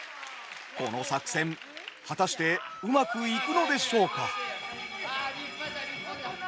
この作戦果たしてうまくいくのでしょうか。